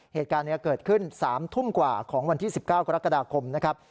เหตุการณ์นี้เกิดขึ้น๓ทุ่มกว่าของวันที่๑๙กรกฎาคมนะครับ